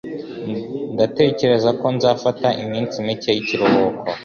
Ndatekereza ko nzafata iminsi mike y'ikiruhuko.